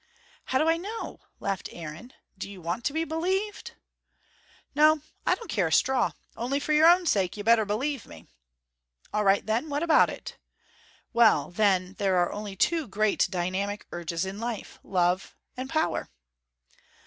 "How do I know?" laughed Aaron. "Do you want to be believed?" "No, I don't care a straw. Only for your own sake, you'd better believe me." "All right then what about it?" "Well, then, there are only two great dynamic urges in LIFE: love and power."